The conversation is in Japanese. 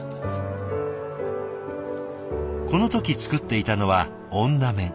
この時作っていたのは女面。